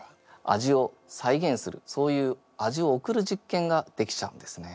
味を再現するそういう味を送る実験ができちゃうんですね。